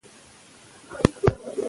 منی د افغانستان د بڼوالۍ برخه ده.